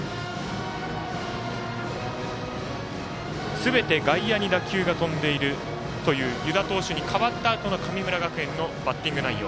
すべて外野に打球が飛んでいるという湯田投手に代わったあとの神村学園のバッティング内容。